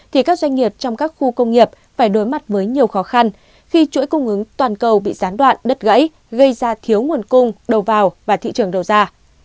thì các doanh nghiệp trong các khu công nghiệp phải đối mặt với nhiều khó khăn khi chuỗi cung ứng toàn cầu bị gián đoạn đứt gãy gây ra thiếu nguồn cung đầu vào và thị trường đầu ra